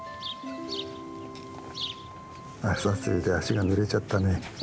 朝露で足がぬれちゃったね。